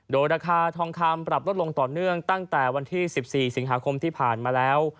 โดยราคาทองคำปรับลดลงต่อเนื่องตั้งแต่วันที่๑๔สิงหาคมที่ผ่านมาแล้ว